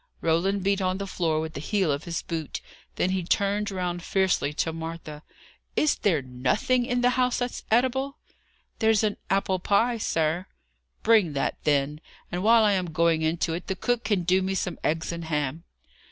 Roland beat on the floor with the heel of his boot. Then he turned round fiercely to Martha. "Is there nothing in the house that's eatable?" "There's an apple pie, sir." "Bring that, then. And while I am going into it, the cook can do me some eggs and ham."